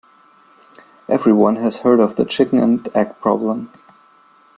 Everyone has heard of the chicken and egg problem.